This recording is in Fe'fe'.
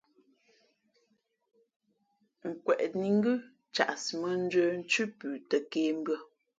Nkweʼnǐ ngʉ́ caʼsi mᾱndjə̄ nthʉ́ pʉ tαkēmbʉ̄ᾱ.